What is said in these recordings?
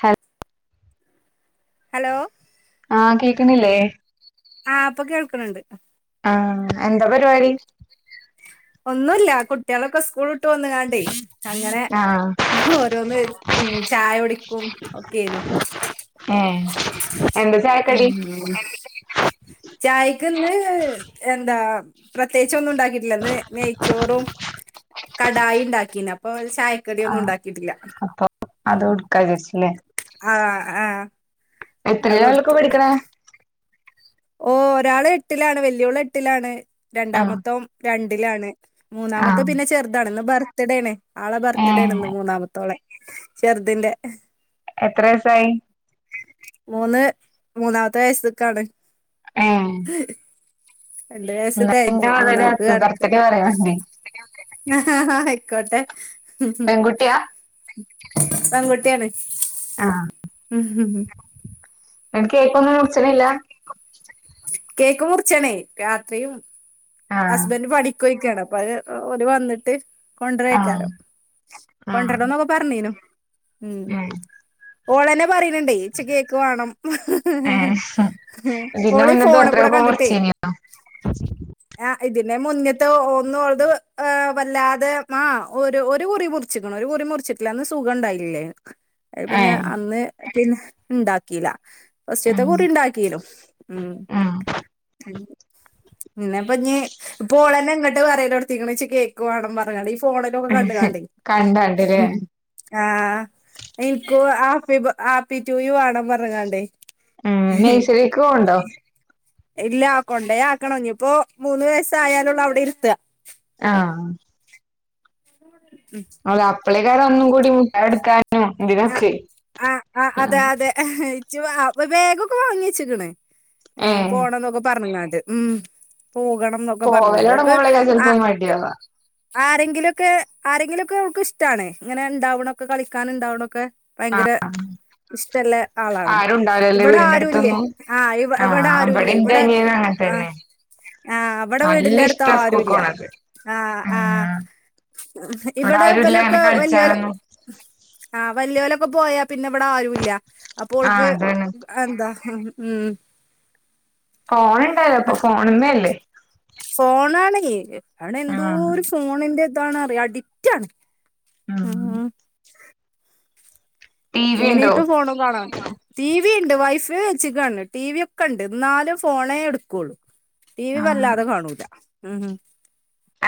ഹ hello ആഹ് കേക്കുന്നില്ലേ ആഹ ഇപ്പ കേൾക്കണ് ഇണ്ട് ആ എന്താ പരിപാടി ഒന്നുമല്ല കുട്ടികളൊക്കെ സ്കൂള ഇട്ട് വന്ന കാണ്ടേ അങ്ങനെ ആഹ് ആ ഓരോന്ന് ചായ ഒടിക്കും ഒക്കെനു [unintelligible] ഉ ചായക്കടി ചായക്ക് ഇന്ന് എന്താ പ്രത്യേക ഒന്നും ഉണ്ടാക്കിയിട്ടില്ലന്ന് നെയ്ച്ചോറും കടായ ഉണ്ടാക്കീ അ ചായക്കട ഒന്നും ആഹ് ഉണ്ടാക്കിയിട്ടില്ല അപ്പൊ ഉ അത് കൊടുക്കാ വിചാരിച്ചില്ലേ ആ ആഹ് എത്ര അത് ലൊക്കെ ആൾക്ക് കൊടുത്തു പഠിക്കണ ഓ ഒരാള് എട്ടിലാണ് വലിയോൾ എട്ടിലാണ് ആഹ് രണ്ടാമത്തവൻ രണ്ടിലാണ് മൂന്നാമത്തെ ആഹ് പിന്നെ ചെറുതാണ് ഇന്ന് ബർത്ത്ഡേ ആണ് ആളെ ബർത്ത്ഡേ ആണ് ഏഹ് ഇന്ന് മൂന്നാമത്തോളെ ചെറുതിന്റെ എത്ര ദിസായി മൂന്ന് മൂന്നാമത്തെ വയസ്സക്കാണ് ആഹ് രണ്ട് വയസ്സ് തയഞ്ഞു മൂന്നാമത്തെ ഹാപ്പി ബർത്ത്ഡേ കടക്കാണ്. പറയാനുണ്ടേ അയ്ക്കോട്ടെ പെൺകുട്ടിയാ പെൺകുട്ട്യാണ്. ഉം ഉം ന്ന് ട്ട് കേക്കൊന്നും മുറിച്ച്ണ്ല്ല കേക്ക് മുറിച്ചാണേ രാത്രിയും ആഹ് ഹസ്ബന്റ് പണിക്ക് പോയ്ക്കാണപ്പ് പ്പത് ഓല് വന്ന്ട്ട് ആഹ് കൊൻഡ്രേക്കാരം കൊണ്ട്രണം ന്നൊക്കെ പറഞ്ഞീന്നു എ പറയ്ണ്ണ്ടേ ച്ച് കേക്ക് വാണം ഏഹ് ഇതിന്റെ ഓളി മുന്നത്തെ ഫോണ് കൂടെ ബർത്ത്ഡേക്കൊക്കെ കണ്ട്ട്ടേ മുറിച്ചീനിയോ [inaudible] അ ഇതിന്റെ മുന്ന്ത്തെ ഒന്ന് ഓള്ത് വെല്ലാതെ ആ ഒരു കുറി മുർച്ച്ക്ക്ണ് മുറി മുറിച്ചിട്ടില്ല അന്ന് സുഖണ്ടായില്ലേ അത് പിന്നെ ഏഹ് അന്ന് പിന്നെ ണ്ടാക്കീല ഫസ്റ്റ്ത്തെ ഉം കുറി ണ്ടാക്കിനു ഉം പിന്നെ അപ്പ ഞ്ഞി ഇപ്പോളെന്നെ ങ്ങട്ട് പറയലൊട്ത്തീക്ക്ണ് ച്ച് കേക്ക് വാണം പറഞാളീ - ഫോണിലൊക്കെ കണ്ട് കാണ്ടെ കണ്ടാണ്ടില്ലേ ആ എനിക്കു ആപ്പി ബ ആപ്പി റ്റൂ യൂ വാണം പറഞ്ഞ്ങ്ങാണ്ടേ ഉം നെയ്സറിക്കോവ് ണ്ടോ ഇല്ല കൊണ്ടേ ആക്കണം ഞ്ഞിപ്പോ മൂന്ന് വയസായാലുള്ളൂ അവിടെ ഇര്ത്ത ആ അതെ അപ്പളെക്കാരം ഒന്നും കൂടി മുട്ടായൊട്ക്കാൻ അ ആ ആ അതെ അതെ [unintelligible] ബേഗൊക്കെ വാങ്ങി വെച്ച്ക്ക്ണ് എ ഏഹ് പോണംന്നൊക്കെ പർഞ്ങ്ങാണ്ട് ഉം പോകണംന്നൊക്കെ പറഞ്ഞ് കാണ്ട് ഓക്ക് പോവലൊടങ്ങുമ്പളേക്കാ ആ ചെലപ്പോ മടിയാവാ ആരെങ്കിലൊക്കെ ആരെങ്കിലൊക്കെ ഓക്ക് ഇഷ്ടാണ് ഇങ്ങനെ ണ്ടാവണൊക്കെ കളിക്കാൻ ണ്ടാവ്ണൊ ആ അ ആളാണ് ആരുണ്ടാവൂല ലെ ഇവിടെ വീടിന്റെ ആരുല്ലേ അടുത്തൊന്നും ആഹ് ഇവ ആ ഇവിടെ വടെ ന്റെ അനിയനും അങ്ങനെ തന്നെ ആ അവിടെ നല്ല വീടിന്റെ അടുത്ത് ഇഷ്ടാ ആരുല്ല സ്കൂൾക്കോണത് ആ ആ ആഹ് ഇവിടെ ആരുല്ല അങ്ങനെ ഇവലൊക്കെ വല്ലിഓല് കളിച്ചാനൊന്നും ആവൻ വല്യഓല് പോയാ പിന്നെ ഇവിടെ ആരുല്ല അപ്പൊ ആഹ് ഓൾക്ക് അതാണ് എന്താ ഹും ഉം ഫോണിണ്ടല്ലോ അപ്പൊ ഫോണുംമേല്ലേ ഏ അവനെന്തോരു ഫോണിന്റെ ഇതാണന്ന് അറിയാ അഡിറ്റാണ് ഉം ആഹ് ടി വി ഇണ്ടോ ഇങ്ങനെയിട്ടും ഫോണും കാണാറുണ്ടോ തീ വി ഇണ്ട് വൈഫൈ വെച്ചക്കാണ് ടിവി ഒക്കെ ഇണ്ട് എന്നാലും ഫോണേ എടുക്കുള്ളു ടി വി ആഹ് വല്ലാതെ കാണൂല മ് ഉം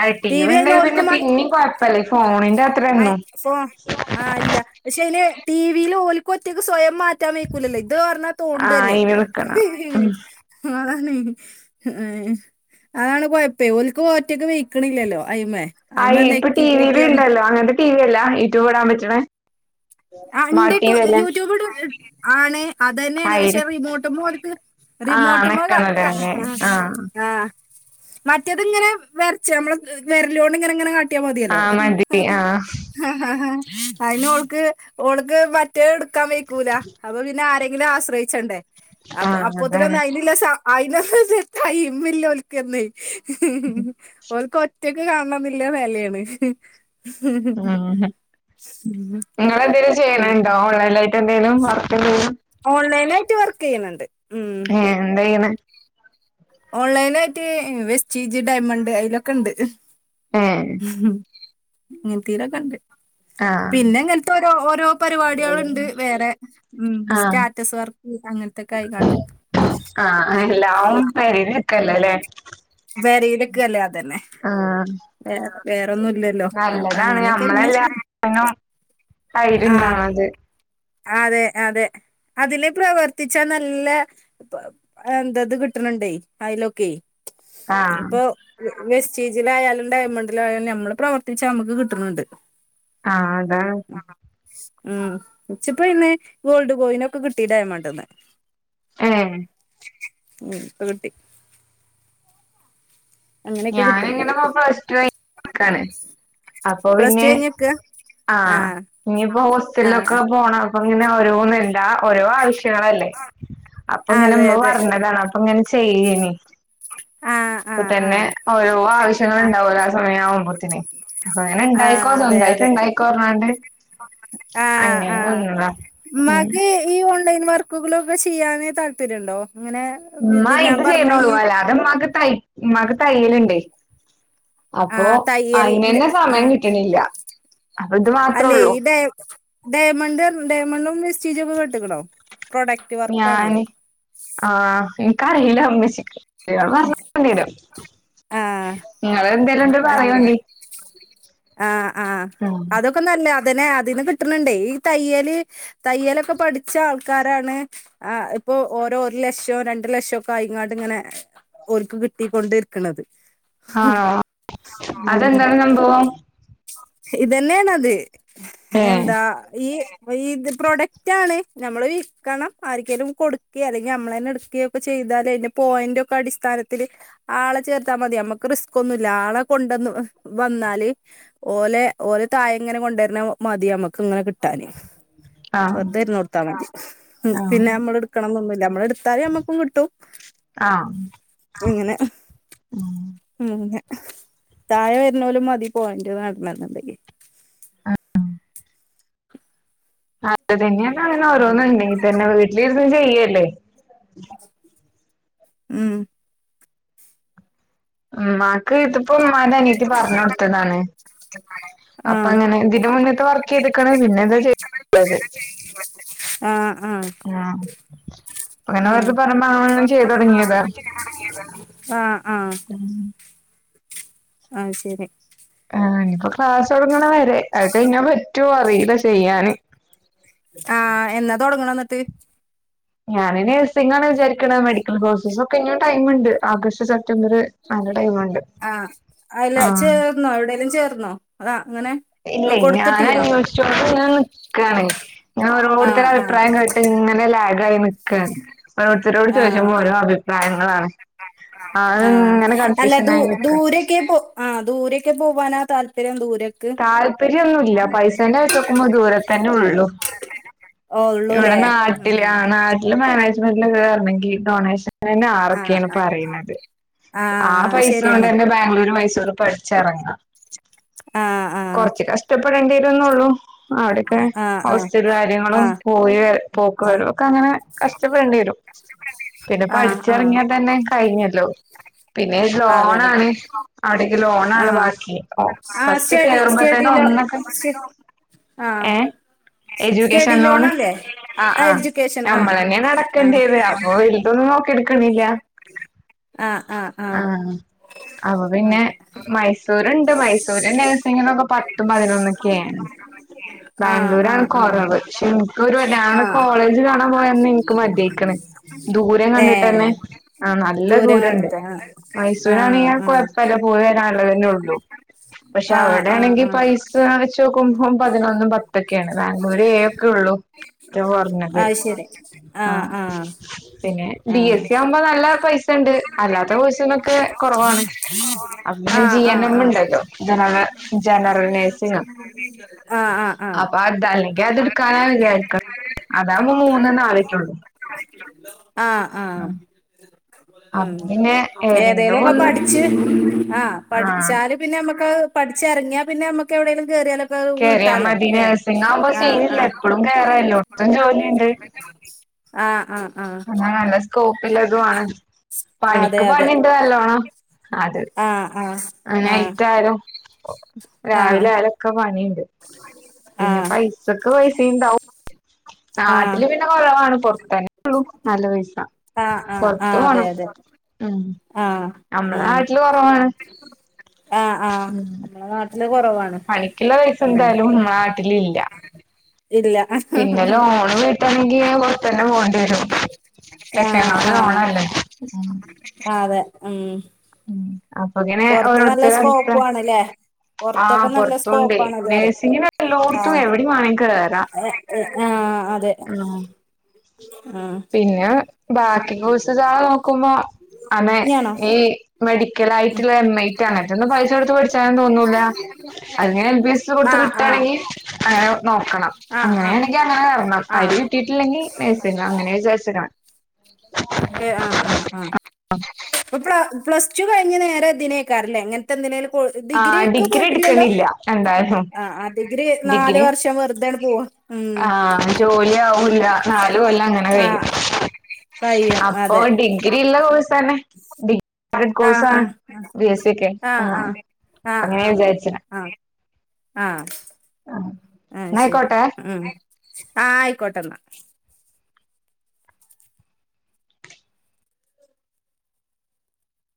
ആഹ് ടി വി അയിന് ഇണ്ടെങ്കി ഓൽക്കു പിന്നെ മ പിന്നിം കൊഴപ്പല്ല ഈ ഫോണിന്റെ അയ് അത്രയൊന്നും ഫോ ആ ഇല്ല പക്ഷെ അയില് ടിവില് ഓൽക്ക് പറ്റിയത് സ്വയം മാ റ്റാൻ നിൽക്കൂലല്ലോ ഇത് പറഞ്ഞാ ആഹ് തോണ്ടല്ലേ അയിന് നിക്കണം ഉം മ് അതാണ് കൊഴപ്പേ ഓൽക്ക് ഒറ്റക്ക് വെയ്ക്കണില്ലല്ലോ അയിമേ ആ അയിമെ ഇപ്പൊ നെക്കി കൂട്ടി ടിവിലും ഒന്ന് ഇണ്ടല്ലോ അങ്ങനത്തെ ടിവി അല്ല യൂട്യൂബ് ഇടാൻ പറ്റണേ ആ ഇണ്ട് സ്മാർട്ട് ടി പ്പ് വി അല്ലേ യൂട്യൂബ് ഇടും ആണ് അത് തന്നെയാണ് പഷെ ആയിരം റിമോട്ടുമോ ഓല്ക്ക് ആഹ് റിമോട്ടുമ്മോ ക നിക്കണതന്നെ [unintelligible] ആഹ് ആ ആ മറ്റേത് ഇങ്ങനെ വരച്ച് നമ്മളെ വെരലോണ്ട് ഇങ്ങനെങ്ങനെ കാ കിട്ടിയ മതിയല്ലോ ആഹ് മതി ആഹ് അയിന് ഓൾക്ക് ഓൾക്ക് മറ്റേ എടുക്കാൻ വയ്ക്കൂല അപ്പൊ പിന്നെ ആരെങ്കിലും ആശ്രയിച്ച് വേണ്ടെ അപ്പൊ ആഹ് അതാണ് അപ്പോത്തിനൊന്നും അയിനില്ല അയിനൊന്നും ടൈയിമില്ല ഓൽക്കന്നെ ഓൽക്ക് ഒറ്റക്ക് കാണണന്നിള്ള വേലയാണ് ഉം ചെയ്യണ് ഉം. ണ്ടോ ഓൺലൈൻലായിട്ട് എന്തേലും വർക്ക് എന്തേലും ഓൺലൈനായിട്ട് വർക്ക്യ്യ്ന്ന്ണ്ട് ഏ എന്തെയ്യ്ണ് ഓൺലൈനായിട്ട് വെസ്റ്റീജി ഡയമണ്ട് അതിലൊക്കെണ്ട് ഏഹ് മ് അങ്ങനെത്തെലൊക്കെണ്ട് ആ പിന്നെ ഇങ്ങനത്തെ ഓരോ ഓരോ പരിപാടികളുണ്ട് വേറെ മ സ്റ്റാറ്റസ് വർക്ക് അങ്ങനത്തൊക്കെ ആയിക്കാണ്ട് ആ ഉം അല്ല അവൻ [unintelligible] വേറെയില്ക്ക് അല്ലേ അതന്നെ ആഹ് വേറെ വേറൊന്നുംല്ലല്ലോ അപ്പൊ നല്ലതാണ് അങ്ങനെയൊക്കെങ്ങനെ ചെ - തൈരിണ്ടാണത് അതെ അതെ അതില് പ്രവർത്തിച്ചാ നല്ല എന്താത് കിട്ടണ്ണ്ട് അതിലൊക്കെ ആഹ് ഇപ്പൊ വേസ്റ്റീജിലായാലും ഡയമണ്ടിലായാലും നമ്മള് പ്രവർത്തിച്ച നമ്മക്ക് കിട്ടണ്ണ്ട് ആ അതാണ് ഉം ച്ചപ്പോ അയ്‌ന്ന് ഗോൾഡ് കോയിനൊക്കെ കിട്ടി ഡയമണ്ട്ന്ന് ഏ ഉം ഇപ്പൊ കിട്ടി അങ്ങനെയൊക്കെ ഞാനിങ്ങനെ കിട്ടുന്നുണ്ട് പ്ലസ്ടു കഴിഞ്ഞു നിക്കാണ് അപ്പൊ പ്ലസ് ടു പിന്നെ കഴിഞ്ഞക്കാ ആഹ ആഹ് ഇനിപ്പോ ഹോസ്റ്റലിലൊക്കെ ആഹ് പോണം അപ്പൊ ഇങ്ങനെ ഓരോന്ന് ഇണ്ടാ- ഓരോ ആവശ്യങ്ങളല്ലേ അപ്പൊ അതെ ഇങ്ങനെമ്മ അതെ പറഞ്ഞതാണ് അപ്പൊ ഇങ്ങനെ ചെയ്യേനി ആഹ് പ്പൊ ആഹ് തന്നെ ആഹ് ഓരോ ആവശ്യങ്ങള് ആഹ് ഉണ്ടാവല്ലോ ആ സമയം ആവുമ്പോത്തിന് അപ്പൊ അങ്ങനെ ഇണ്ടായിക്കോ സ്വന്തായിട്ട് ഇണ്ടായിക്കൊ പർ ഞ്ഞാണ്ട് ആ ആ ഉം മ്മാക്ക് ഈ ഓൺലൈൻ വർക്കുകള് ചെയ്യാന് താല്പര്യം ഉണ്ടോ മ്മ ഇത് ചെയ്യ്ണോള്ളു അല്ലാതെ മ്മാക്ക് തയ്യല്ണ്ടേ അപ്പൊ ആഹ് തയ്യൽന്റെ അയിനന്നെ സമയം ആഹ് കിട്ടണില്ല അപ്പൊ ഇത് മാത്രേ അല്ലെ ഉള്ളൂ ഈ ഡ ഡയമണ്ടും ഡയമണ്ടും വേസ്റ്റീജൊക്കെ കേട്ട് ക്ക്ണോ ഞാന് ആ എനിക്കറിയില്ല. മ്മച്ചിക്കറീല്ല പറഞ്ഞോട്ക്കണ്ടി വരും ആഹ് നിങ്ങള് എന്തേലുംണ്ടെ പറയോണ്ടി ആ ആ അതൊക്കെ നല്ല തന്നെ അതിന് കിട്ടണ്ണ്ടേ ഈ തയ്യല് തയ്യലൊക്കെ പഠിച്ച ആൾക്കാരാണ് ആ - ഇപ്പോ ഓരോ ഒരു ലക്ഷം രണ്ടു ലക്ഷം ഒക്കെ ആയിങ്ങാണ്ട് ഇങ്ങനെ ഓൽക്ക് കിട്ടികൊണ്ട് ക്ക്ണത് ആ അതെന്താണ് സംഭവം ഇതന്നേണത് എന്താ ഈ ഇത് പ്രൊഡക്റ്റ് ആണ് നമ്മള് വിൽക്കണം ആർക്കെലും കൊടുക്കെ അല്ലെങ്കിൽ നമ്മളന്നെ എട്ക്കേ ഒക്കെ ചെയ്യ- ഇതാലയിന്റെ പോയിന്റോക്കെ അടിസ്ഥാനത്തില് ആളെ ചേർത്താൽ മതി നമ്മക്ക് റിസ്ക് ഒന്നുല്ല ആളെ കൊണ്ടന്ന് വന്നാല് ഓലെ ഓല് തായെ ങ്ങനെ കൊണ്ടാർന്നെ മതി നമ്മക്ക് ഇങ്ങനെ കിട്ടാന് ആഹ് വെറുതെ ഇരുന്ന് കൊടുത്താ മതി പിന്നെ നമ്മള് എടുക്കണം ന്നൊന്നുല്ല നമ്മള് എ- ട്ത്താല് നമ്മക്കും കിട്ടും. ആഹ് ഇങ്ങനെ ഉം ഇങ്ങനെ താഴെ വരുന്നോലും മതി പോയന്റ് നേടണംന്നുണ്ടെങ്കി അതൊക്കെത്തന്നെ പറീണത് ഓരോന്നുണ്ടെങ്കി തന്നെ വീട്ടിലിരുന്ന് ചെയ്യല്ലേ ഉം ഉം മാ - മ്മാക്ക് ഇതിപ്പോ ഉമ്മാന്റെ അനിയത്തി പറഞൊട്ത്തതാണ്. അപ്പൊ ആഹ് അങ്ങനെ ഇതിനു മുന്നെ വർക്ക് ചെയ്തിക്ക്ണ്. പിന്നെ ഇതാ ചെയ്തത് ആഹ ആ അങ്ങനെ ആഹ് അവരൊക്കെ പറഞ്ഞപ്പോ അങ്ങനെണ്ട് ചെയ്ത് തൊടങ്ങിയതാ ആ ഉം ആഹ ശരി ആ ഇന്ന് പ്പൊ ക്ലാസ്സ്‌ തൊടങ്ങണ വരെ അത് കഴിഞ്ഞ പറ്റൊ അറിയില്ല ചെയ്യാന് ത്ത് ഞാന് നേഴ്സിംഗാണ് വിചാരിക്കണ മെഡിക്കൽ കോഴ്സസ് ഒക്കെ ഇനീയും ടൈമ് ഉണ്ട് ഓഗസ്റ്റ് സെപ്റ്റംബർ അ - ആഹ അല്ല ചേർന്നോ എവിടെലും ചേർന്നോ അതാ അങ്ങനെ ഇല്ല ഞാനാ കൊടുത്തിട്ടീനോ അന്വഷിച്ചോണ്ട് നിക്കാണ് ഞാ ആഹ് ഓരോരുത്തരുടെ ആഹ് അഭിപ്രായ കേട്ട ഇങ്ങനെ ലാഗായി ക്ക ഓരോരുത്തരോട് ചോദിച്ചപ്പൊ ഓരോ അഭിപ്രായങ്ങളാണ്. അത് ആഹ ഇങ്ങനെ അല്ല ദു കൺഫ്യൂഷനായി നിക്കാ ദൂരൊക്കെ പോ ആ ദൂരൊക്കെ പോ പോവാനാ താല്പര്യം ദു താല്പര്യന്നുല്ല പൈസേന്റെ ആഴച്ചോക്കുമ്പോ ദൂരെ തന്നെ ഉള്ളു ഓ ഇവിടെ ഉള്ളൂല്ലേ ഉം നാട്ടില് ആ നാട്ടില് മാനേജ്മെന്റില് കേറാണെങ്കി ഡൊണേഷൻ ന്നെ ആഹ് ആറൊക്കെയാണ് ആഹ് പറീണത്. ആ ആഹ് പൈസ കൊണ്ട് ശരിയാണ് തന്നെ ബാംഗ്ലൂര് മൈസൂർ പഠി ചെറാങ്ങാം ആഹ് ആഹ് കൊറച്ച് കഷ്ടപ്പെടേണ്ടിരന്നള്ളൂ അവിടെക്കെ ആഹ് ആഹ് ഹോസ്റ്റൽ കാര്യങ്ങളും ആഹ് പോയി പോക്ക് ആഹ് വരും ഒക്കെ അങ്ങനെ കഷ്ടപ്പെടേണ്ടി വരും പിന്നെ ആഹ് പഠിച്ചിറങ്ങിയാൽ ആഹ് തന്നെ കഴിഞ്ഞല്ലോ. പിന്നെ അതെ ലോണാണ് അതെ അവിട ക്കെ ലോണ ആഹ് ബാക്കി ആഹ് ഫസ്റ്റ് സ്റ്റഡി കേറുമ്പോതന്നെ ഒന്നൊക്കെ ആ എജ്യൂക്കേഷൻ ലോൺ ആഹ ആ ആഹ് എഡ്യൂക്കേഷൻ നമ്മൾ ആഹ് തന്നെ അ ആഹ് ടക്കണ്ടത് അപ്പൊ വെൽതൊന്നും നോക്കി ക്ക്ണില്ല ആഹ് ആഹ് ആഹ അപ്പൊ പിന്നെ മൈസൂരുണ്ട്. മൈസൂര് [unintelligible] പത്തും പതിനൊന്നൊക്കെയ ആണ് ആഹ് ബാംഗ്ലൂര് ആണ് ആഹ് ആഹ് കൊറവ്. ഒരുവട്ട ആഹ് കോളേജ് കാണാൻ പോയന്ന് എനിക്ക് മതിയായ്ക്ക്ണ് ദൂരെ ഏഹ് കണ്ടിട്ടന്നെ ആ നല്ല ദൂരം ദൂരണ്ട്. കണ്ടിട്ട് ആഹ് മൈസൂരാണെങ്കി ആഹ് കൊഴപ്പല്ല പോയി വരാനുള്ളതന്നെ ഉള്ളൂ പക്ഷെ ആഹ് ആഹ് അവിടെയാണെങ്കിൽ ആഹ് ആഹ് പൈസ വെച്ച് നോക്കുമ്പോം പതിനൊന്നും പത്തൊക്കെയാണ് ബാംഗ്ലൂര് ഏയോക്കെ ഉള്ളു. പറഞ്ഞത് അത് ശരി ആഹ ആഹ് ആഹ് പിന്നെ ബി എസ് സി ആവുമ്പോ നല്ല പൈസ ണ്ട് അല്ലാത്ത കോഴസിനൊക്കെ കുറവാണ് അന് ആഹ് ജി ആഹ് എൻ ആഹ് എം ആഹ് ഉണ്ടല്ലോ ജനറൽ ജനറൽ നേഴ്സിങ് ആഹ് ആഹ് അപ്പ ആഹ് അതലങ്കി അത്ട്ക്കാനാ വി അതാവ്മ്പോ മൂന്നോ നാലെ റ്റ് ഒള്ളു. ആ ആ ഉ അപ്പൊ പിന്നെ ഏതെലും ഏതെങ്കിലും ഒക്കെ ഒന്ന് പഠിച്ച് ആ ആഹ് പഠിച്ചാല് പിന്നെ നമ്മക്ക് പഠിച്ചിറങ്ങിയ പിന്നെ നമ്മക്ക് എവിടെങ്കിലും കേറിയാലോ കേറിയാ വീട്ടാലോ മതി ല്ലെ നഴ്സിംഗ് ആവുമ്പോ ആ ആ സീനില്ല എപ്പളും കേറാ എല്ലോട്ത്തും ജോലിണ്ട് ആഹ് ആഹ ആഹ എന്നാ നല്ല സ്കോപ്പ്ള്ളതും ആണ്. അതെ പണിക്ക് അതെ പണി ണ്ട് നല്ലോണം അത് ആഹ് ആഹ് ആ ആഹ് നൈറ്റ് ആയാലും രാവിലെ ആഹ് ആയാലൊക്കെ പണിയ പിന്നെ ആഹ് പൈസക്കെ പൈസിം ണ്ടാവും നാട്ടില് ആഹ് പിന്നെ കൊറവാണ് പൊർത്ത് നല്ല പൈസ്സ ആഹ ആഹ് ആഹ അതെ അതെ ഉം ആഹ നമ്മളെ ഉ നാട്ടില് കൊറവാണ് ആഹ ആഹ അ പണിക്കുള്ള പൈസ എന്തായാലും നാട്ടില ഇല്ല ഇല്ല പിന്നെ ലോണ് വീട്ടാണെങ്കി പൊത്തുന്നെ പോകേണ്ടി വരും ആഹ ലക്ഷങ്ങള് ആഹ ലോണല്ലേ ഉം അതെ ഉ ഉം അപ്പൊ ഇങ്ങനെ പുൊറത്ത് നല്ല ഓരോരുത്തരുടെ സ്കോപ്പ അടുത്ത് ആണല്ലേ ആഹ് പുറത്തൊക്കെ നല്ല പൊറത്തുണ്ട് സ്കോപ്പ ആാണ് അത് പറ നഴ്സിങ്ങിന് ആ എല്ലോടത്തും എവിടേം വേണേ കേറാം ആഹ അതെ ആഹ് ആഹ് പിന്നെ ബാക്കി കുച്ച് ചാെ നോക്കുമ്പോ അന ഇഞ്ഞാണോ ഈ മെഡിക്കലായിട്ടുള്ള എം ഐ ണ്റ്റൊന്നും പൈസ കൊടുത്ത് പഠിച്ചാനും തോന്നൂല്ല അതിങ്ങനെ എൽ ബി എസ് കൊടുത്ത് ആഹ് ആഹ് കിട്ടയാണെങ്കിൽ അങ്ങനെ നോക്കണം ആഹ് ആഹ് അങ്ങനെയാണെങ്കിൽ അങ്ങനെ തരണം അയിന് ആഹ് കിട്ടിട്ടില്ലെങ്കിൽ നഴ്സിംഗ് അങ്ങനെ വിചാരിച്ചണം ആഹ് ആഹ് ആഹ അപ്പ പ്ലസ് ടു കഴിഞ്ഞ് നേരെ ഇതിന് അങ്ങനത്തെന്തിലാലും ആ ഡിഗ്രി ഒക്കെ പോയിട്ടില്ലല്ലോ എടുക്കണില്ല എന്തായാലും ആ ആ ഡിഗ്രി നാല് വർഷം വെറുതാണ് പോവാ ഉം ആഹ ജോലി ആവില്ല നാല് കൊല്ലം അങ്ങനെ കഴും ആഹ് കഴിയും അപ്പൊ അതെ ഡിഗ്രിള്ള കോഴ്സ് തന്നെ ഡി കോഴ്സ ആഹ് ബി എസ് സക്ക് ആ ആഹ അങ്ങനെ ആഹ് വിചാരിച്ചേ ആഹ ആഹ ആ ആഹ ശരി എന്നായിക്കോട്ടെ ഉം ആ ആയിക്കോട്ടെ എന്നാ